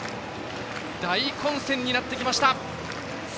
大混戦になってきました。